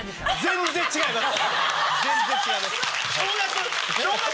全然違います。